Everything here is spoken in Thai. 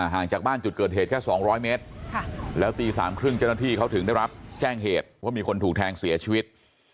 ห่างจากบ้านจุดเกิดเหตุแค่๒๐๐เมตรแล้วตี๓๓๐เจ้าหน้าที่เขาถึงได้รับแจ้งเหตุว่ามีคนถูกแทงเสียชีวิต